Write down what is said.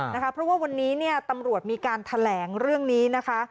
เพราะว่าวันนี้เนี่ยตำรวจมีการแถลงเรื่องนี้นะคะ